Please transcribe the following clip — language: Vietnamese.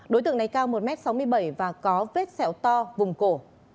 đối tượng này cao một m sáu mươi bảy và có vết sẹo to vùng cổ